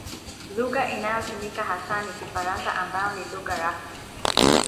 Lugha inayotumika hasa ni Kifaransa ambayo ni lugha rasmi.